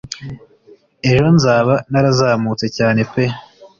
ejo Nzaba narazamutse cyane pe